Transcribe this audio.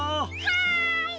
はい！